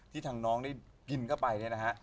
ทางน้องได้กินเข้าไปเนี่ยนะฮะ